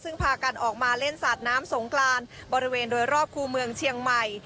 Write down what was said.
ซึ่งพากันออกมาเล่นสาดน้ำสงกรานบริเวณโดยรอบคู่เมืองเชียงใหม่